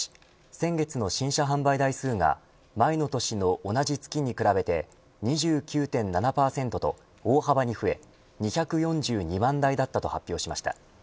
先月の新車販売台数が前の年の同じ月に比べて２９．７％と大幅に増え２４２万台だったと発表しました。